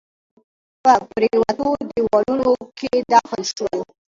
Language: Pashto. په پريوتو ديوالونو کښ دفن شول